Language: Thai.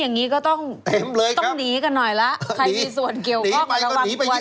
อย่างนี้ก็ต้องหนี๒๐ปีนะครับ